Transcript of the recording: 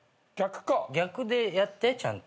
逆でやってちゃんと。